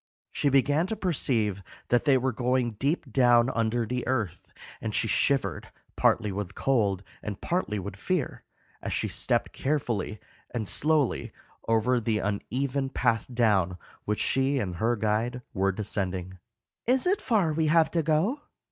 She began to perceive that they were going deep down under the earth, and she shivered, partly with cold and partly with fear, as she stepped carefully and slowly over the uneven path down which she and her guide were descending. "Is it far we have to go?"